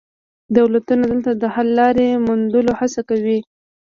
دولتونه دلته د حل لارې موندلو هڅه کوي